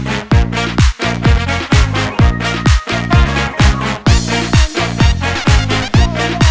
เออแก้คุณใส